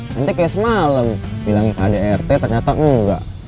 nanti kayak semalem bilang ke adrt ternyata enggak